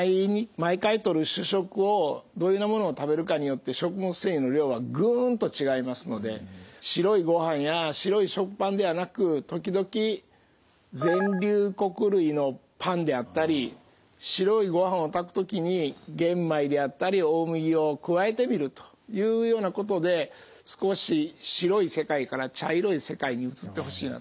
毎回とる主食をどういうようなものを食べるかによって食物繊維の量はグンと違いますので白いごはんや白い食パンではなく時々全粒穀類のパンであったり白いごはんを炊く時に玄米であったり大麦を加えてみるというようなことで少し白い世界から茶色い世界に移ってほしいなと。